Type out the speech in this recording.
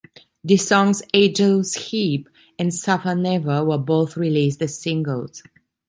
The songs "Angel's Heap" and "Suffer Never" were both released as singles.